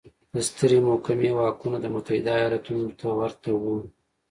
د سترې محکمې واکونه د متحده ایالتونو ته ورته وو.